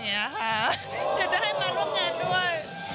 อยากจะให้มาร่วมงานด้วย